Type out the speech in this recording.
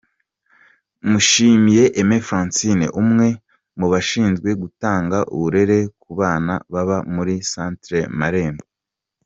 Mushimiye Aime Francine umwe mu bashinzwe gutanga uburere ku bana baba muri Centre Marembo.